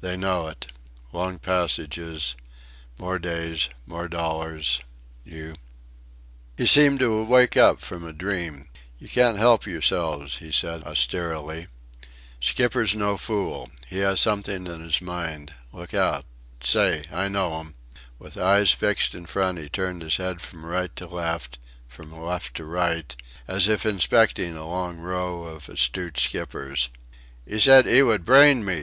They know it long passage more days, more dollars. You " He seemed to wake up from a dream. "You can't help yourselves," he said, austerely, "Skipper's no fool. He has something in his mind. Look out say! I know 'em!" With eyes fixed in front he turned his head from right to left, from left to right, as if inspecting a long row of astute skippers. "'Ee said 'ee would brain me!"